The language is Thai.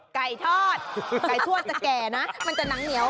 ไก่ทอดไก่ทอดจะแก่นะมันจะหนังเหนียว